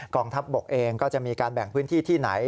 องทัพบกเองก็จะมีการแบ่งพื้นที่ที่ไหน